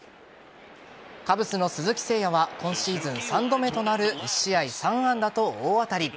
カブスの鈴木誠也は今シーズン３度目となる１試合３安打と大当たり。